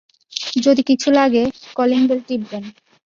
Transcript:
যদি কিছু লাগে, কলিং বেল টিপবেন।